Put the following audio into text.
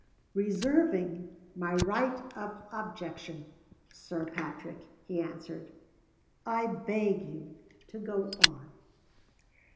"Reserving my right of objection, Sir Patrick," he answered, "I beg you to go on."